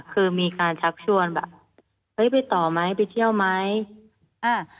คือมีการชักชวนแบบเฮ้ยไปต่อไหมไปเที่ยวไหมอ่า